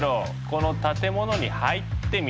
この建物に入ってみて。